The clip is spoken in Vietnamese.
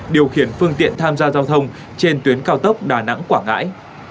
điều khiển phương tiện tham gia giao thông trên tuyến cao tốc đà nẵng quảng ngãi